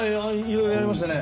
色々やりましたね。